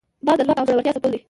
باز د ځواک او زړورتیا سمبول دی